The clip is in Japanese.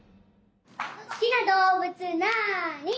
すきなどうぶつなに？